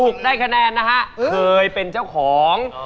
ได้คะแนนนะฮะเคยเป็นเจ้าของ